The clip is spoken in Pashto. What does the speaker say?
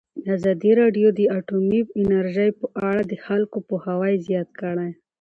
ازادي راډیو د اټومي انرژي په اړه د خلکو پوهاوی زیات کړی.